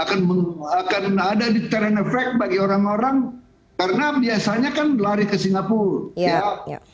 akan ada deteran effect bagi orang orang karena biasanya kan lari ke singapura ya